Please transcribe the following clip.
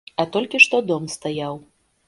А толькі што дом стаяў.